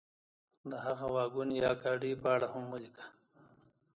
د هغه واګون یا ګاډۍ په اړه هم ولیکه.